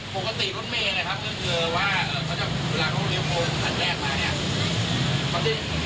ปกติรถเมย์นะครับก็คือว่าเวลาเขาเดียวโมนทันแหลกมาเนี่ย